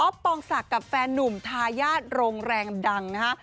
ปองศักดิ์กับแฟนนุ่มทายาทโรงแรงดังนะฮะ